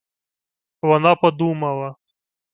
Вона подумала.